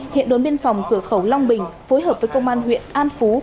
hiện đồn biên phòng cửa khẩu long bình phối hợp với công an huyện an phú